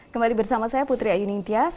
kembali bersama saya putri ayu ningtyas